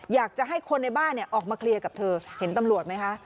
อยากจะให้คนในบ้านออกมาเคลียร์กับเธอเห็นตำรวจไหมคะ